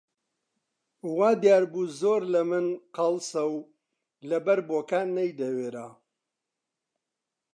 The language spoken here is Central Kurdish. وا دیار بوو زۆر لە من قەڵسە و لەبەر بۆکان نەیدەوێرا